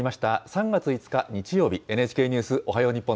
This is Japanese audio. ３月５日日曜日、ＮＨＫニュースおはよう日本。